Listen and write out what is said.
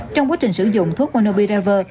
trong quá trình sử dụng thuốc monubiravia